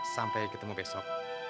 sampai ketemu besok